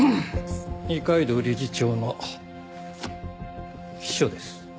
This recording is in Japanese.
二階堂理事長の秘書です。